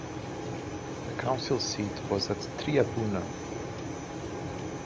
The council seat was at Triabunna.